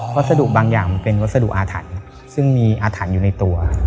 วัสดุบางอย่างมันเป็นวัสดุอาถรรพ์ซึ่งมีอาถรรพ์อยู่ในตัว